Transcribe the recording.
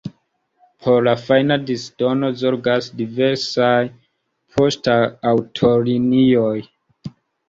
Por la fajna disdono zorgas diversaj poŝtaŭtolinioj.